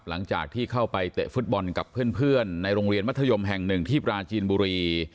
หลังจากที่เข้าไปเตะฟุตบอลกับเพื่อนในโรงเรียนมัธยมแห่งหนึ่งที่ปราจีนบุรี